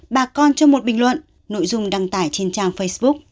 bà con trong một bình luận nội dung đăng tải trên trang facebook